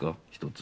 １つ。